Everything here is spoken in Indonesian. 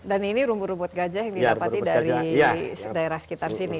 dan ini rumput rumput gajah yang didapati dari daerah sekitar sini ya